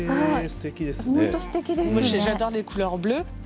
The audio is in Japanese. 本当、すてきですね。